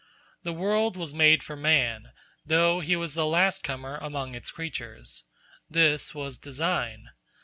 The world was made for man, though he was the last comer among its creatures. This was design.